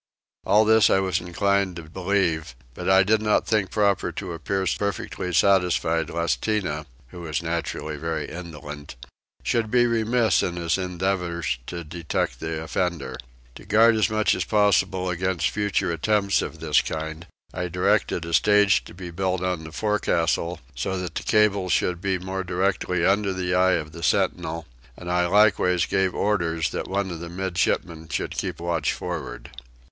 All this I was inclined to believe, but I did not think proper to appear perfectly satisfied lest Tinah, who was naturally very indolent, should be remiss in his endeavours to detect the offender. To guard as much as possible against future attempts of this kind I directed a stage to be built on the forecastle so that the cables should be more directly under the eye of the sentinel; and I likewise gave orders that one of the midshipman should keep watch forward.